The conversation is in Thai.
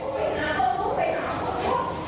โลหะสวัสดีครับ